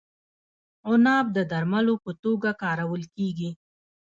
عناب د درملو په توګه کارول کیږي.